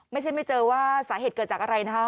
ไม่ใช่ไม่เจอว่าสาเหตุเกิดจากอะไรนะคะ